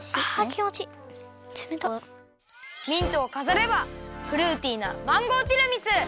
ミントをかざればフルーティーなマンゴーティラミス！